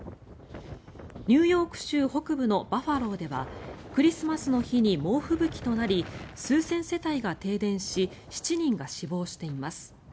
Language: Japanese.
ニューヨーク州北部のバファローではクリスマスの日に猛吹雪となり数千世帯が停電し７人が死亡しています。